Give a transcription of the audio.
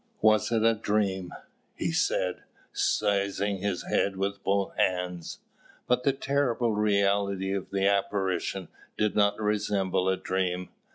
"Was it a dream?" he said, seizing his head with both hands. But the terrible reality of the apparition did not resemble a dream.